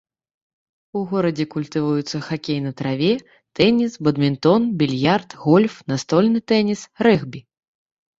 У горадзе культывуюцца хакей на траве, тэніс, бадмінтон, більярд, гольф, настольны тэніс, рэгбі.